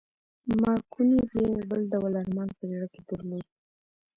مارکوني بیا یو بل ډول ارمان په زړه کې درلود